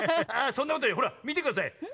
あそんなことよりほらみてください。